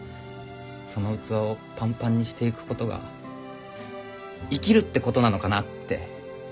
その器をパンパンにしていくことが生きるってことなのかなって。